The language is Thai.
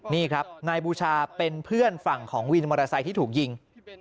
นี่ครับนายบูชาเป็นเพื่อนฝั่งของวินมอเตอร์ไซค์ที่ถูกยิง